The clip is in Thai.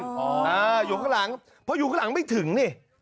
ของท่านอ๋ออ่าอยู่ข้างหลังเพราะอยู่ข้างหลังไม่ถึงนี่